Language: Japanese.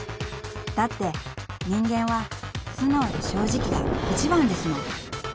［だって人間は素直で正直が一番ですもん］